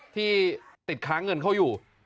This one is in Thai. ที่ติดค้างเงินเขาอยู่